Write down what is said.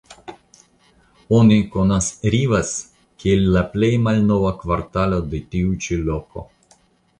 Oni konas "Rivas" kiel la plej malnova kvartalo de tiu ĉi loko.